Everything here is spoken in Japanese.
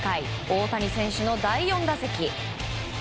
大谷選手の第４打席。